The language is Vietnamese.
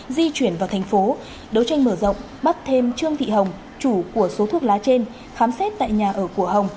di chuyển vào thành phố đấu tranh mở rộng bắt thêm trương thị hồng chủ của số thuốc lá trên khám xét tại nhà ở của hồng